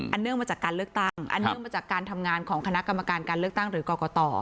เนื่องมาจากการเลือกตั้งอันเนื่องมาจากการทำงานของคณะกรรมการการเลือกตั้งหรือกรกต